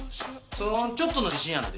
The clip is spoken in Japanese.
そのちょっとの自信やないで？